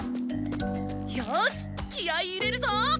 よし気合い入れるぞ！